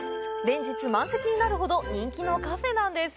連日満席になるほど人気のカフェなんです。